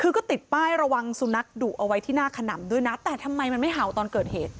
คือก็ติดป้ายระวังสุนัขดุเอาไว้ที่หน้าขนำด้วยนะแต่ทำไมมันไม่เห่าตอนเกิดเหตุ